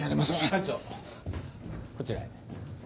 館長こちらへ。